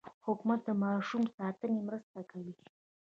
حکومت د ماشوم ساتنې مرسته کوي.